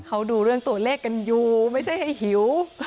เขาดูเรื่องตัวเลขกันอยู่ไม่ใช่ให้หิว